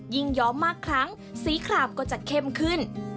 ย้อมมากครั้งสีคลามก็จะเข้มขึ้น